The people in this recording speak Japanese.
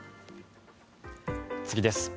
次です。